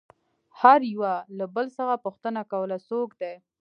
هر يوه له بل څخه پوښتنه کوله څوک دى.